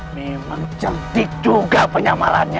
memang cerdik juga penyamalannya